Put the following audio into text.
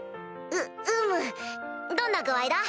ううむどんな具合だ？